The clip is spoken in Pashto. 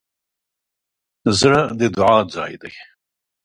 زړه د دعا ځای دی.